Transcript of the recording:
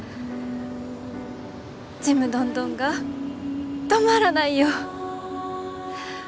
ちむどんどんが止まらないよ。